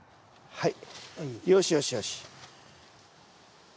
はい。